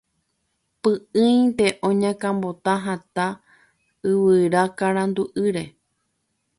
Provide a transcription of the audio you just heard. py'ỹinte oñakãmbota hatã yvyra karanda'ýre